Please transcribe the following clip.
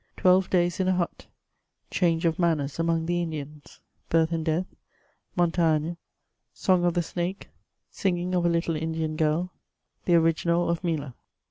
TWELVE DATS IN A HUT — CHANGE OP HANKERS AMONG THE INDIANS — BIRTH AND DEATH — MONTAIGNE— SONG OF THE SNAKfi~ SINGING OF A LITTLB INDIAN GIRL — THE ORIGINAL OF *' MILA."